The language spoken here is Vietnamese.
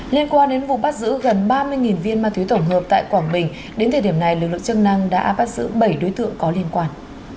liên quan đến vụ bắt giữ gần ba mươi viên ma túy tổng hợp tại quảng bình đến thời điểm này lực lượng chức năng đã bắt giữ bảy đối tượng có liên quan